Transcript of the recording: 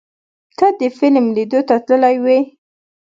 ته د فلم لیدو ته تللی وې؟